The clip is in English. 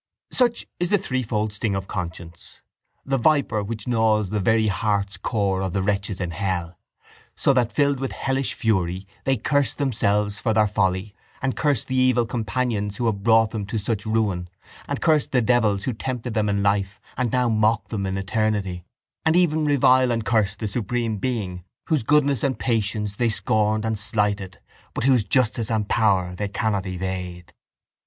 —Such is the threefold sting of conscience, the viper which gnaws the very heart's core of the wretches in hell, so that filled with hellish fury they curse themselves for their folly and curse the evil companions who have brought them to such ruin and curse the devils who tempted them in life and now mock them in eternity and even revile and curse the Supreme Being Whose goodness and patience they scorned and slighted but Whose justice and power they cannot evade.